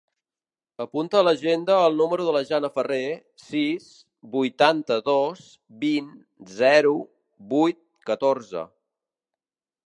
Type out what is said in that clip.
Apunta a l'agenda el número de la Jana Farre: sis, vuitanta-dos, vint, zero, vuit, catorze.